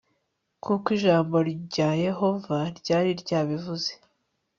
nk uko ijambo rya yehova ryari ryabivuze